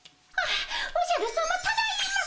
あおじゃるさまただいま。